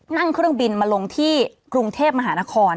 นั่งเครื่องบินมาลงที่กรุงเทพมหานคร